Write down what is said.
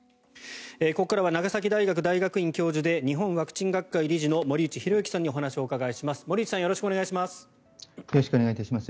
ここからは長崎大学大学院教授で日本ワクチン学会理事の森内浩幸さんにお話をお伺いします。